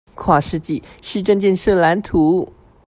跨世紀市政建設藍圖